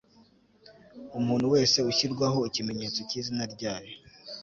umuntu wese ushyirwaho ikimenyetso cy'izina ryayo